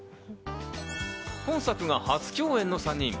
今作が初共演の３人。